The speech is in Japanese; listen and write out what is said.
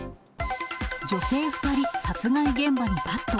女性２人殺害現場にバット。